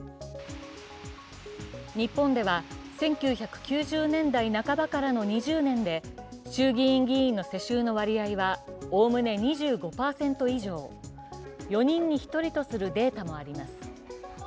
日本では１９９０年代半ばからの２０年で衆議院議員の世襲の割合はおおむね２５％以上、４人に１人とするデータもあります。